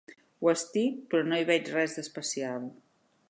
Ho estic, però no hi veig res d'especial.